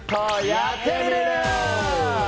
「やってみる。」。